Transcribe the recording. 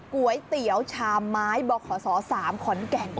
ก๋วยเตี๋ยวชามไม้บขศ๓ขอนแก่น